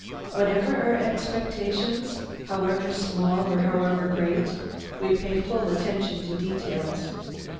Whatever our expectations, however small or however great, we pay full attention to details.